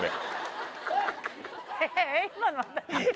今の何？